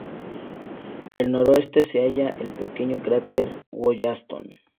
Al noroeste se halla el pequeño cráter Wollaston.